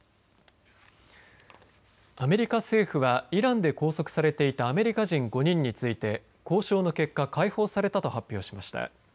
アメリカ政府はイランで拘束されていたアメリカ人５人について交渉の結果解放されたと発表しました。